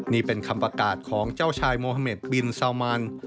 นี่เป็นคำประกาศของเจ้าชายโมฮาเมดบินซาวมัน